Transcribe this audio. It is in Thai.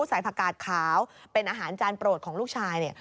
ใส่ผักกาดขาวเป็นอาหารจานโปรดของลูกชายเนี่ย